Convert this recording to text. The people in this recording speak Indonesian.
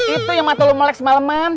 itu yang mata lo melek semaleman